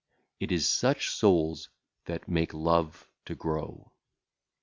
It is such souls that make love to grow.